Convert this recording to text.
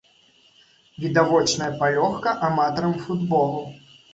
Відавочная палёгка аматарам футболу.